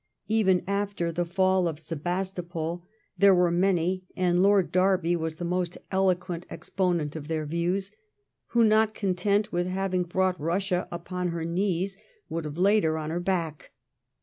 Even after the fall of Sebastopol there were many, and Lord Derby was the most eloquent exponent of their views^ who, not content with having brought Russia upon her knees, would have laid her on her back.